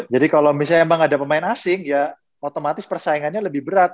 jadi kalau misalnya emang ada pemain asing ya otomatis persaingannya lebih berat